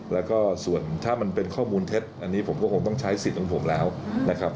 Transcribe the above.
แล้วก็ส่วนถ้ามันเป็นข้อมูลเท็จอันนี้ผมก็คงต้องใช้สิทธิ์ของผมแล้วนะครับ